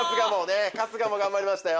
春日も頑張りましたよ